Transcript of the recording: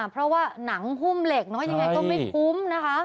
เพราะว่าหนังหุ้มเหล็กน้อยยังไงก็ไม่คุ้มนะคะ